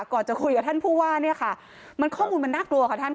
ก่อนจะคุยกับท่านผู้ว่าข้อมูลมันน่ากลัวค่ะท่าน